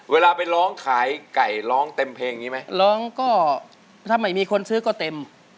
เวลาไปร้องขายไก่ร้องเต็มเพลงนี้ไหมร้องก็ถ้าไม่มีคนซื้อก็เต็ม